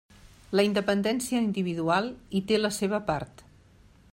La independència individual hi té la seva part.